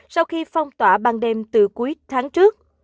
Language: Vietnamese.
sau khi phong tỏa ban đêm từ cuối tháng trước